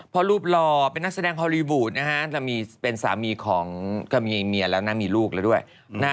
เพราะรูปหล่อเป็นนักแสดงฮอลลีวูดนะฮะจะมีเป็นสามีของก็มีเมียแล้วนะมีลูกแล้วด้วย